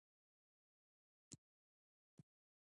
ایا ژر غوسه کیږئ؟